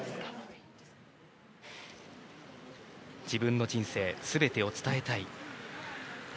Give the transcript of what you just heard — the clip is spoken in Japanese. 自分の人生全てを伝えたい。